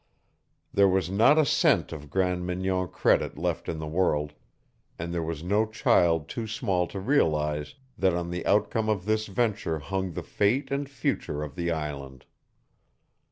There was not a cent of Grande Mignon credit left in the world, and there was no child too small to realize that on the outcome of this venture hung the fate and future of the island.